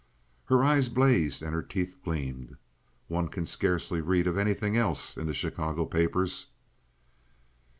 Her eyes blazed, and her teeth gleamed. "One can scarcely read of anything else in the Chicago papers."